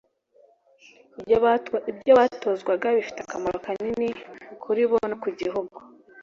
ibyo abatozwaga bifite akamaro kanini kuri bo no ku gihugu